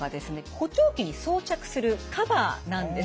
補聴器に装着するカバーなんです。